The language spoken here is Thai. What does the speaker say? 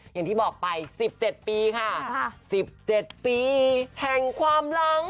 อย่างที่บอกไป๑๗ปีค่ะ๑๗ปีแห่งความหลัง